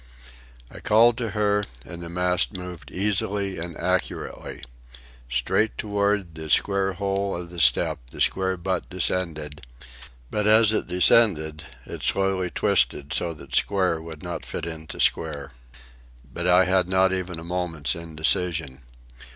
I called to her, and the mast moved easily and accurately. Straight toward the square hole of the step the square butt descended; but as it descended it slowly twisted so that square would not fit into square. But I had not even a moment's indecision.